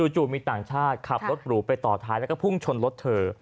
จู่มีต่างชาติขับรถหรูไปต่อท้ายแล้วก็พุ่งชนรถเธอ